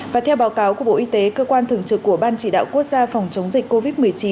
và theo báo cáo của bộ y tế cơ quan thường trực của ban chỉ đạo quốc gia phòng chống dịch covid một mươi chín